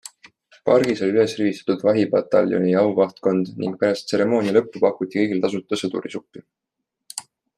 Pargis oli üles rivistatud Vahipataljoni auvahtkond ning pärast tseremoonia lõppu pakuti kõigile tasuta sõdurisuppi.